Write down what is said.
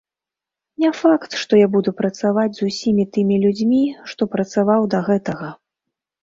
Не факт, што я буду працаваць з усімі тымі людзьмі, што працаваў да гэтага.